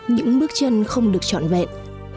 những bước chân không được chọn vẹn